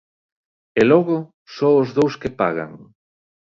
E logo só os dous que pagan.